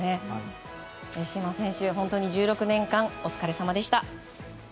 嶋選手、本当に１６年間お疲れさまでした。